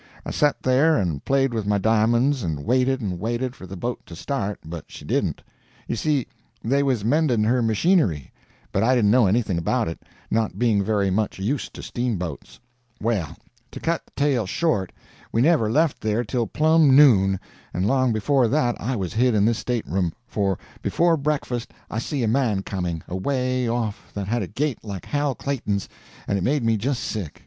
I set there and played with my di'monds and waited and waited for the boat to start, but she didn't. You see, they was mending her machinery, but I didn't know anything about it, not being very much used to steamboats. [Illustration: Walked ashore.] "Well, to cut the tale short, we never left there till plumb noon; and long before that I was hid in this stateroom; for before breakfast I see a man coming, away off, that had a gait like Hal Clayton's, and it made me just sick.